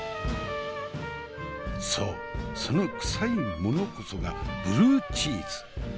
そうそのクサい者こそがブルーチーズ。